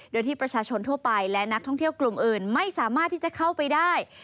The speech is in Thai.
โดยที่ประชาชนทั่วไปและนักท่องเที่ยวกลุ่มอื่นไม่สามารถที่จะเข้าไปได้